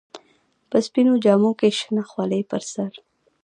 په سپينو جامو کښې شنه خولۍ پر سر.